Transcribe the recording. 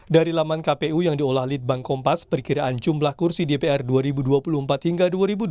dari laman kpu yang diolah litbang kompas perkiraan jumlah kursi dpr dua ribu dua puluh empat hingga dua ribu dua puluh